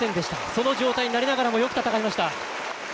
その状態になりながらもよく戦いました。